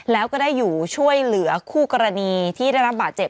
แล้วก็ได้อยู่ช่วยเหลือคู่กรณีที่ได้รับบาดเจ็บ